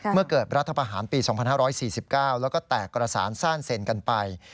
เมื่อเกิดรัฐประหารปี๒๕๔๙แล้วก็แตกกระสานซ่านเซ็นกันไป